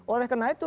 oleh karena itu